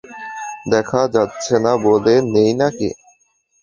দেখা যাচ্ছে না বলে নেই নাকি!